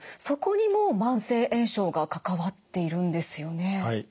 そこにも慢性炎症が関わっているんですよね？